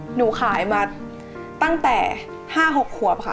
หนูขายมาตั้งแต่๕๖ขวบค่ะ